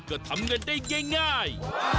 โปรดติดตามต่อไป